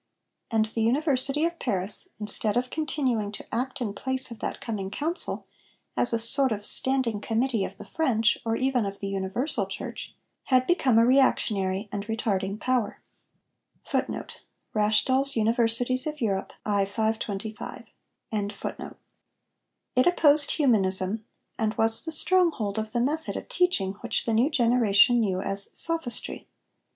And the University of Paris, instead of continuing to act in place of that coming Council as 'a sort of standing committee of the French, or even of the universal, Church,' had become a reactionary and retarding power. It opposed Humanism, and was the stronghold of the method of teaching which the new generation knew as 'Sophistry.'